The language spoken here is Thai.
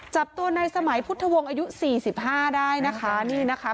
จับตัวในสมัยพุทธวงศ์อายุสี่สิบห้าได้นะคะนี่นะคะ